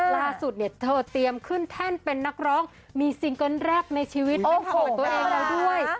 ล่าสุดเนี่ยเธอเตรียมขึ้นแท่นเป็นนักร้องมีซิงเกิ้ลแรกในชีวิตเป็นของตัวเองแล้วด้วย